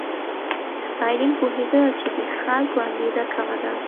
ستالین پوهېده چې د خلکو انګېزه کمه ده.